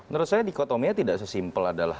menurut saya dikotominya tidak sesimpel adalah